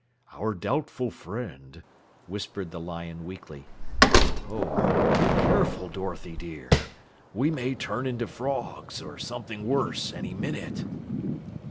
"Our doubtful friend," whispered the lion weakly. "Oh, be careful, Dorothy dear. We may turn into frogs or something worse any minute."